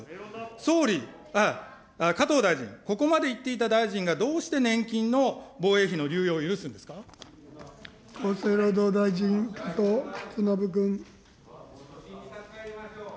総理、加藤大臣、ここまで言っていた大臣がどうして年金の防衛費の流用を許すんで厚生労働大臣、加藤勝信君。